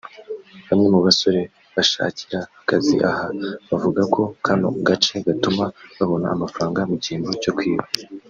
bamwe mu basore bashakira akazi aha bavuga ko kano gace gatuma babona amafaranga mu kimbo cyo kwiba